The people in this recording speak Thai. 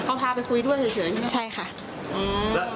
เขาพาไปคุยด้วยเฉยใช่ไหม